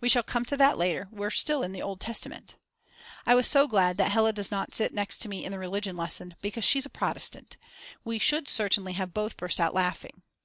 We shall come to that later, we're still in the Old Testament. I was so glad that Hella does not sit next me in the religion lesson, because she's a Protestant; we should certainly have both burst out laughing.